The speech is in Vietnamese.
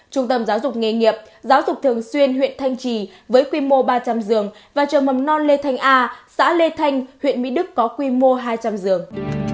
trung tâm giáo dục nghề nghiệp giáo dục thường xuyên huyện thanh trì với quy mô ba trăm linh giường và trường mầm non lê thanh a xã lê thanh huyện mỹ đức có quy mô hai trăm linh giường